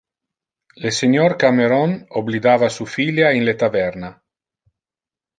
Le senior Cameron oblidava su filia in le taverna.